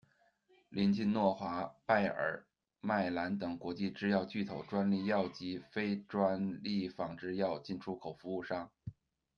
临近诺华，拜尔，迈兰等国际制药巨头，专利药及非专利仿制药进出口服务商。